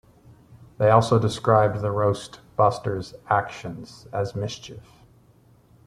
They also described the Roast Busters' actions as "mischief".